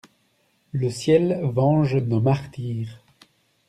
Le Ciel venge nos martyrs!